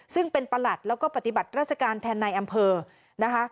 ซึ่งเป็นประหลัดแล้วก็ปฏิบัติราชการแทนในอำเภอนะคะ